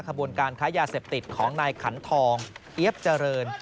ขบวนการค้ายาเสพติดของนายขันทองเอี๊ยบเจริญ